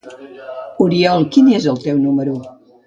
—Oriol, quin és el teu número?